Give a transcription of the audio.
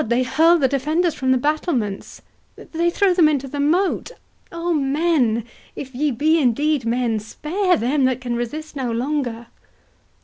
—they hurl the defenders from the battlements—they throw them into the moat—O men, if ye be indeed men, spare them that can resist no longer!"